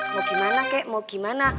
mau gimana kek mau gimana